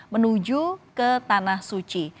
menuju ke tanah suci